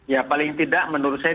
ya paling tidak menurut saya